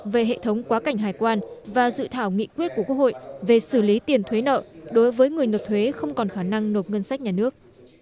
về hệ thống quá cảnh hải quan và dự thảo nghị quyết của quốc hội về xử lý tiền thuế nợ đối với người nộp thuế không còn khả năng nộp ngân sách nhà nước